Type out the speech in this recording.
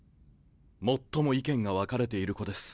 最も意見が分かれている子です。